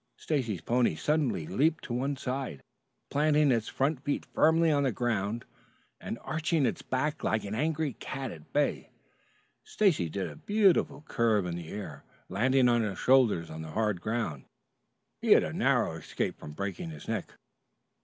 Stacy's pony suddenly leaped to one side, planting its front feet firmly on the ground and arching its back like an angry cat at bay. Stacy did a beautiful curve in the air, landing on his shoulders on the hard ground. He had a narrow escape from breaking his neck.